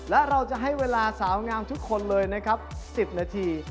และเราจะให้เวลาสาวงามทุกคนเลยนะครับ๑๐นาที